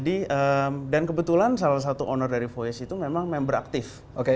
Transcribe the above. dan kebetulan salah satu owner dari voyage itu memang member aktif